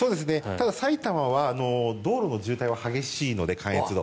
ただ、埼玉は道路の渋滞が激しいので関越道。